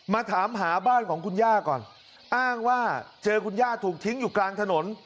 มาถามหาบ้านของคุณย่าก่อนอ้างว่าเจอคุณย่าถูกทิ้งอยู่กลางถนน